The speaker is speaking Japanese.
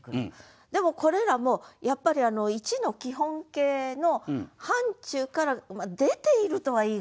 でもこれらもやっぱり一の基本形の範ちゅうから出ているとは言い難いでしょ。